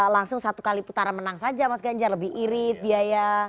langsung satu kali putaran menang saja mas ganjar lebih irit biaya